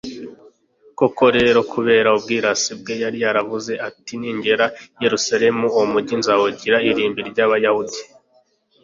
koko rero, kubera ubwirasi bwe yari yaravuze ati ningera i yeruzalemu, uwo mugi nzawugira irimbi ry'abayahudi